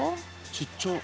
ちっちゃ。